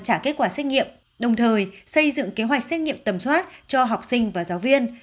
trả kết quả xét nghiệm đồng thời xây dựng kế hoạch xét nghiệm tầm soát cho học sinh và giáo viên